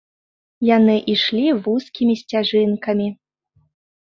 Яны ішлі вузкімі сцяжынкамі.